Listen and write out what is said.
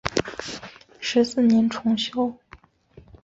韩泷祠的历史年代为清嘉庆十四年重修。